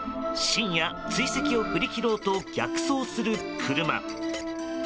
深夜、追跡を振り切ろうと逆走する車。